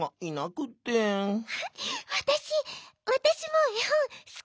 わたしわたしもえほんすき！